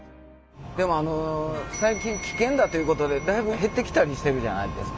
でもあの最近危険だということでだいぶ減ってきたりしてるじゃないですか。